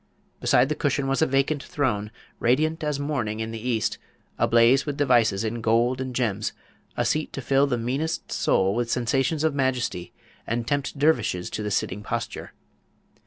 Beside the cushion was a vacant throne, radiant as morning in the East, ablaze with devices in gold and gems, a seat to fill the meanest soul with sensations of majesty and tempt dervishes to the sitting posture.